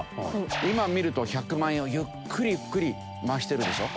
今見ると１００万円をゆっくりゆっくり回してるでしょ？